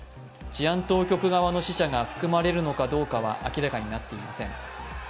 治安当局側の死者が含まれるのかどうかは明らかになっていません。